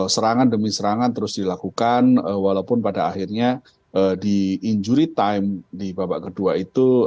serangan demi serangan terus dilakukan walaupun pada akhirnya di injury time di babak kedua itu